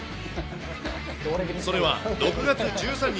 それは、６月１３日、